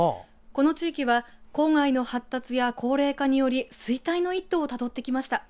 この地域は郊外の発達や高齢化により衰退の一途をたどってきました。